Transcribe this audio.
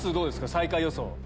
最下位予想。